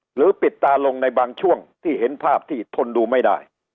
หรือปิดตาลงในบางช่วงที่เห็นภาพที่ทนดูไม่ได้